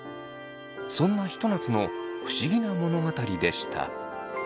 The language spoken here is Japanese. そんなひと夏の不思議な物語でした。